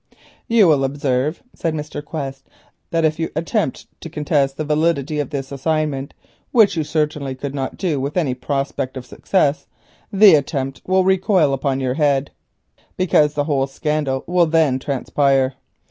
"You will observe," said Mr. Quest, "that if you attempt to contest the validity of this assignment, which you probably could not do with any prospect of success, the attempt must recoil upon your own head, because the whole scandal will then transpire.